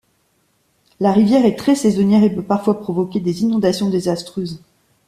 La rivière est très saisonnière et peut parfois provoquer des inondations désastreuses.